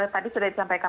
tadi sudah disampaikan